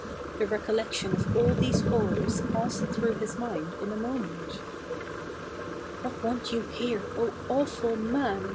The recollection of all these horrors passed through his mind in a moment. " What want you here, O awful man